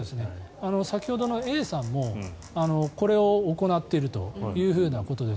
先ほどのＡさんも、これを行っているということです。